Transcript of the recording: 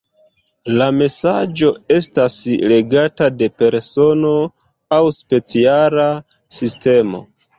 La mesaĝo estas legata de persono aŭ speciala sistemo.